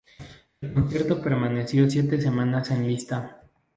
El concierto permaneció siete semanas en lista.